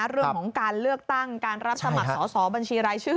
เรื่องของการเลือกตั้งการรับสมัครสอบบัญชีรายชื่อ